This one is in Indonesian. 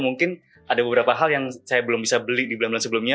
mungkin ada beberapa hal yang saya belum bisa beli di bulan bulan sebelumnya